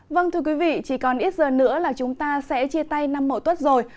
vâng thưa quý vị chỉ còn ít giờ nữa là chúng ta sẽ chia tay năm mậu tuất rồi